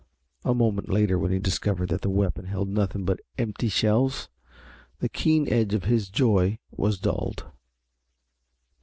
A moment later when he discovered that the weapon held nothing but empty shells, the keen edge of his joy was dulled.